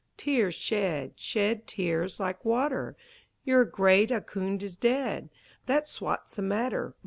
Tears shed, Shed tears like water, Your great Ahkoond is dead! That Swats the matter!